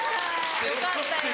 よかったよ